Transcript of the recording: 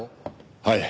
はい。